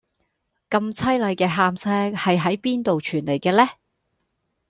咁淒厲既喊聲係喺邊度傳黎嘅呢